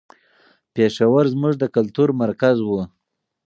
پېښور زموږ د کلتور مرکز و.